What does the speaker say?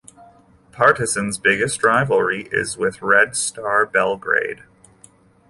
Partizan's biggest rivalry is with Red Star Belgrade.